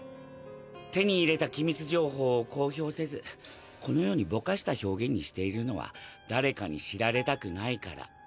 手に入れた機密情報を公表せずこのようにぼかした表現にしているのは誰かに知られたくないから。